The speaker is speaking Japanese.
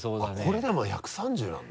これでもまだ１３０なんだ。